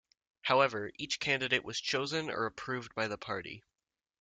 However, each candidate was chosen or approved by the Party.